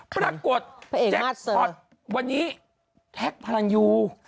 ปรากฏแจ็คพอร์ตวันนี้แท็กพลังยู